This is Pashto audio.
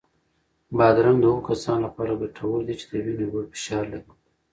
بادرنګ د هغو کسانو لپاره ګټور دی چې د وینې لوړ فشار لري.